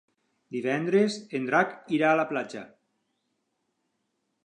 Divendres en Drac irà a la platja.